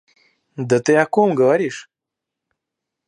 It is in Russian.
Да ты о ком говоришь?